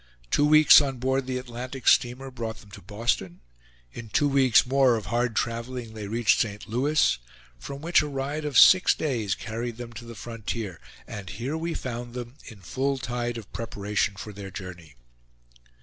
Two weeks on board the Atlantic steamer brought them to Boston; in two weeks more of hard traveling they reached St. Louis, from which a ride of six days carried them to the frontier; and here we found them, in full tide of preparation for their journey.